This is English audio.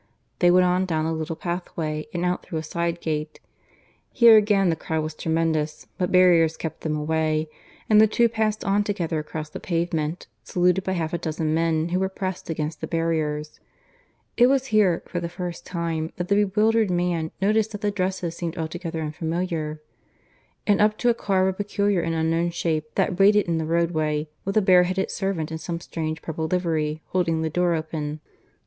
They went on down the little pathway and out through a side gate. Here again the crowd was tremendous, but barriers kept them away, and the two passed on together across the pavement, saluted by half a dozen men who were pressed against the barriers (it was here, for the first time, that the bewildered man noticed that the dresses seemed altogether unfamiliar) and up to a car of a peculiar and unknown shape, that waited in the roadway, with a bare headed servant, in some strange purple livery, holding the door open.